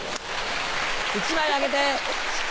１枚あげて。